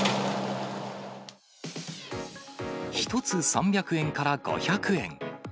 １つ３００円から５００円。